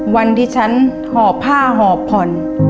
วันที่ฉันหอบผ้าหอบผ่อน